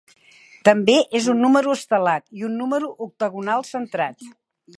També és un número estelat i un número octagonal centrat.